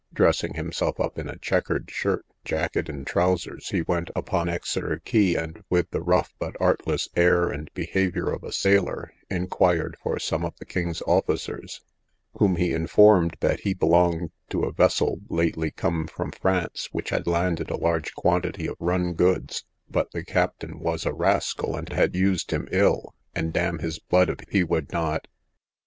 Dressing himself up in a chequered shirt, jacket, and trowsers, he went upon Exeter quay, and, with the rough but artless air and behaviour of a sailor, inquired for some of the king's officers, whom he informed that he belonged to a vessel lately come from France, which had landed a large quantity of run goods, but the captain was a rascal, and had used him ill, and damn his blood if he would not